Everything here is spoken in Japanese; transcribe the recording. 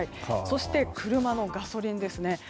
そして車のガソリンですね。